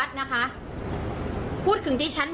คุณโทนี่ที่ฉันหมายถึงก็คือคุณทักษิณชินวัดนะคะ